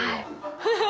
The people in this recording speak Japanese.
ハハハハ！